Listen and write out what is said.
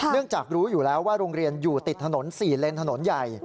จากรู้อยู่แล้วว่าโรงเรียนอยู่ติดถนน๔เลนถนนใหญ่